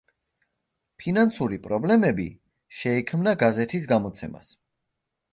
ფინანსური პრობლემები შეექმნა გაზეთის გამოცემას.